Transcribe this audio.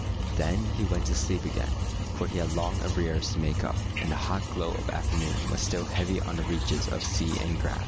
Then he went to sleep again, for he had long arrears to make up, and the hot glow of afternoon was still heavy on the reaches of sea and grass.